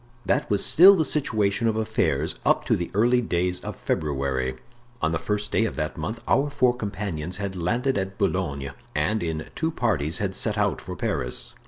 That was still the situation of affairs up to the early days of February. On the first day of that month our four companions had landed at Boulogne, and, in two parties, had set out for Paris.